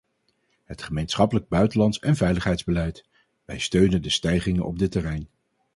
Het gemeenschappelijk buitenlands en veiligheidsbeleid: wij steunen de stijgingen op dit terrein.